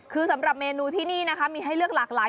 คือสำหรับเมนูที่นี่นะคะมีให้เลือกหลากหลาย